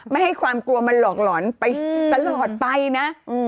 ไม่ให้ความกลัวมันหลอกหลอนไปตลอดไปนะ